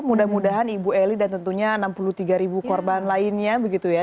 mudah mudahan ibu eli dan tentunya enam puluh tiga ribu korban lainnya begitu ya